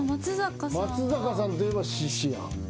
松坂さんといえば獅子やん。